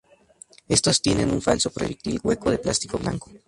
Estos tienen un falso proyectil hueco de plástico blanco.